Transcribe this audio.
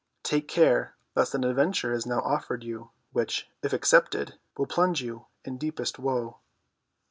Take care lest an adventure is now offered you, which, if accepted, will plunge you in deepest woe.